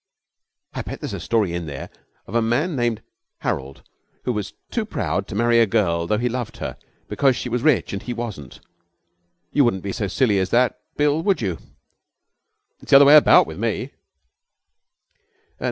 'I bet there's a story in there of a man named Harold who was too proud to marry a girl, though he loved her, because she was rich and he wasn't. You wouldn't be so silly as that, Bill, would you?' 'It's the other way about with me.'